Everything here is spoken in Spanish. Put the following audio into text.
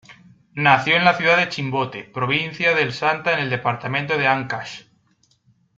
Nació en la ciudad de Chimbote, provincia del Santa en el departamento de Ancash.